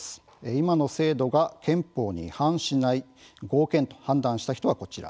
今の制度が憲法に違反しない合憲はこちら。